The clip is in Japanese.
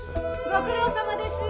ご苦労さまです。